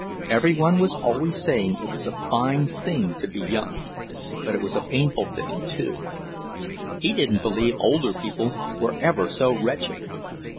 Every one was always saying it was a fine thing to be young; but it was a painful thing, too. He didn't believe older people were ever so wretched.